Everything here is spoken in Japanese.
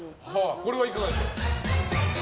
これはいかがでしょう？